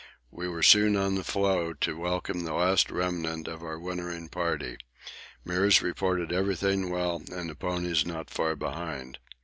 We were soon on the floe to welcome the last remnant of our wintering party. Meares reported everything well and the ponies not far behind.